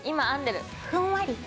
ふんわり。